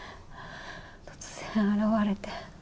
突然現れて。